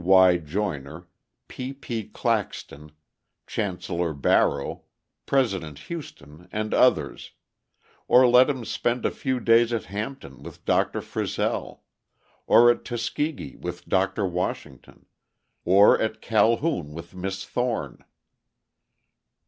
Y. Joyner, P. P. Claxton, Chancellor Barrow, President Houston, and others; or let him spend a few days at Hampton with Dr. Frissell, or at Tuskegee with Dr. Washington, or at Calhoun with Miss Thorne.